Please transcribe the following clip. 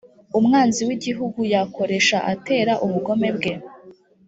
umwanzi w’lgihugu yakoresha atera ubugome bwe‽